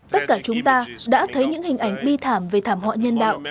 tất cả chúng ta đã thấy những hình ảnh bi thảm về thảm họa nhân đạo